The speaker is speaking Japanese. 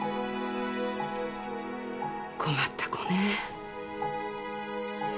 困った子ね。